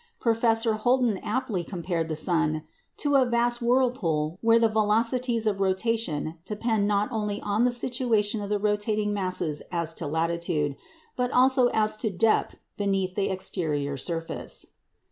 Professor Holden aptly compared the sun to "a vast whirlpool where the velocities of rotation depend not only on the situation of the rotating masses as to latitude, but also as to depth beneath the exterior surface."